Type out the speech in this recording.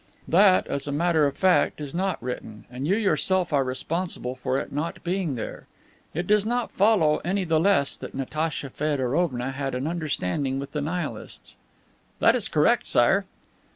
"That, as a matter of fact, is not written, and you yourself are responsible for it not being there. It does not follow any the less that Natacha Feodorovna had an understanding with the Nihilists." "That is correct, Sire."